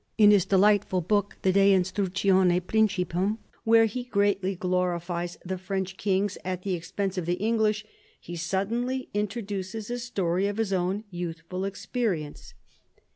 In his delightful book, the De Instructione Principum, where he greatly glorifies the French kings at the expense of the English, he suddenly introduces a story of his own youthful experience.